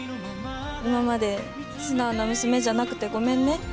今まで素直な娘じゃなくてごめんね。